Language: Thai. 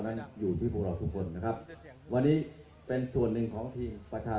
เมืองอัศวินธรรมดาคือสถานที่สุดท้ายของเมืองอัศวินธรรมดา